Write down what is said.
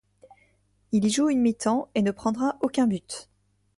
Il y joue une mi-temps et ne prendra aucun but.